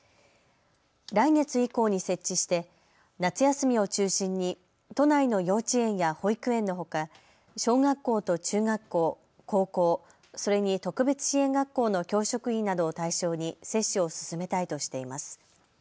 来月以降に設置して夏休みを中心に都内の幼稚園や保育園のほか小学校と中学校、高校、それに特別支援学校の教職員などを対象に接種を進めたいとしています。